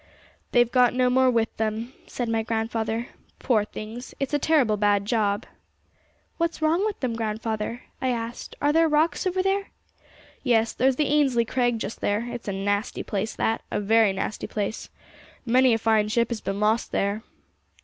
'They've got no more with them,' said my grandfather. 'Poor things! it's a terrible bad job.' 'What's wrong with them, grandfather?' I asked. 'Are there rocks over there?' 'Yes, there's the Ainslie Crag just there; it's a nasty place that a very nasty place. Many a fine ship has been lost there!'